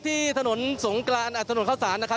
ที่ถนนข้าวสาร